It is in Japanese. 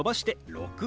６。